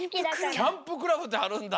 キャンプクラブってあるんだ？